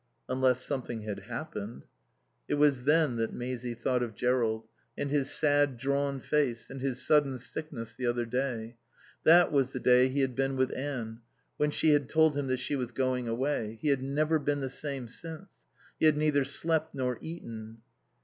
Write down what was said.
Unless something had happened. It was then that Maisie thought of Jerrold, and his sad, drawn face and his sudden sickness the other day. That was the day he had been with Anne, when she had told him that she was going away. He had never been the same since. He had neither slept nor eaten.